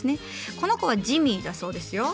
この子はジミーだそうですよ。